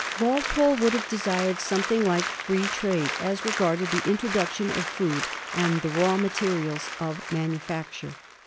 Walpole would have desired something like free trade as regarded the introduction of food and the raw materials of manufacture.